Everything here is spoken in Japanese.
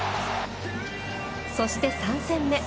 そして３戦目。